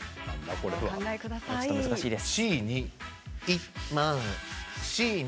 ちょっと難しいです。